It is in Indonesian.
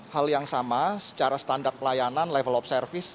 hal yang sama secara standar pelayanan level of service